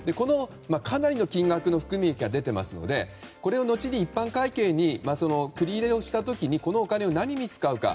かなりの金額の含み益が出ていますのでこれを後に一般会計に組み入れをしたときにこのお金を何に使うか。